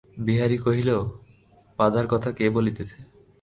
বিহারী কহিল, বাধার কথা কে বলিতেছে।